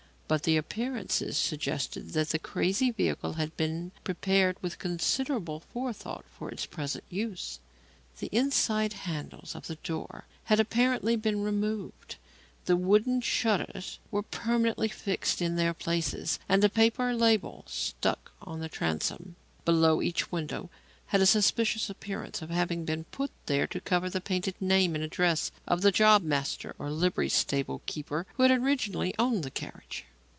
But the appearances suggested that the crazy vehicle had been prepared with considerable forethought for its present use. The inside handles of the doors had apparently been removed; the wooden shutters were permanently fixed in their places; and a paper label, stuck on the transom below each window, had a suspicious appearance of having been put there to cover the painted name and address of the job master or livery stable keeper who had originally owned the carriage.